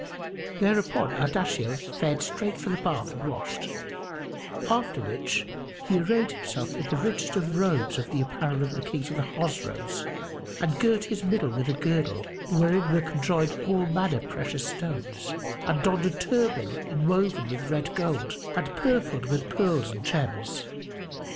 Thereupon Ardashir fared straight for the bath and washed; after which he arrayed himself in the richest of robes of the apparel of the Kings of the Chosroës and girt his middle with a girdle wherein were conjoined all manner precious stones and donned a turband inwoven with red gold and purfled with pearls and gems.